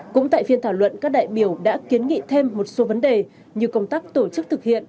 cũng tại phiên thảo luận các đại biểu đã kiến nghị thêm một số vấn đề như công tác tổ chức thực hiện